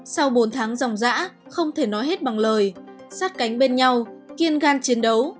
sau bốn tháng ròng rã không thể nói hết bằng lời sát cánh bên nhau kiên gan chiến đấu